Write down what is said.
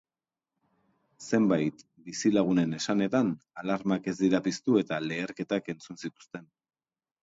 Zenbait bizilagunen esanetan, alarmak ez dira piztu eta leherketak entzun zituzten.